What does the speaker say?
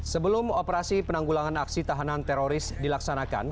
sebelum operasi penanggulangan aksi tahanan teroris dilaksanakan